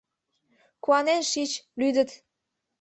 — Куанен шич: лӱдыт!